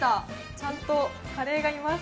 ちゃんとカレーがいます。